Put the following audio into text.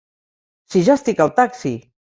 Si ja estic al taxi!